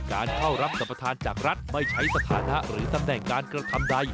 การเข้ารับสรรปทานจากรัฐไม่ใช้สถานะหรือตำแหน่งการกระทำใด